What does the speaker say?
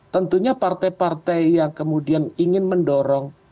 tentunya partai partai yang kemudian ingin mendorong